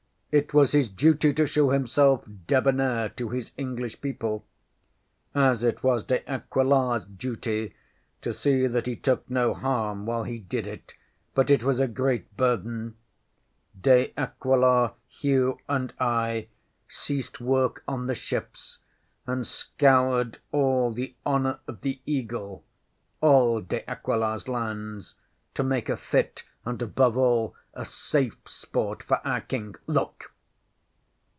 It was his duty to show himself debonair to his English people as it was De AquilaŌĆÖs duty to see that he took no harm while he did it, But it was a great burden! De Aquila, Hugh, and I ceased work on the ships, and scoured all the Honour of the Eagle all De AquilaŌĆÖs lands to make a fit, and, above all, a safe sport for our King. Look!